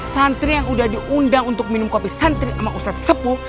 santri yang udah diundang untuk minum kopi santri sama ustadz sepuh